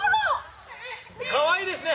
かわいいですね。